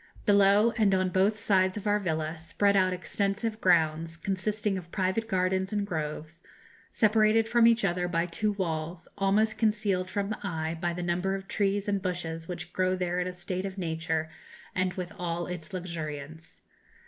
Below, and on both sides of our villa, spread out extensive grounds, consisting of private gardens and groves, separated from each other by two walls, almost concealed from the eye by the number of trees and bushes which grow there in a state of nature and with all its luxuriance.